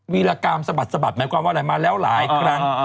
ีรกรรมสะบัดสะบัดหมายความว่าอะไรมาแล้วหลายครั้ง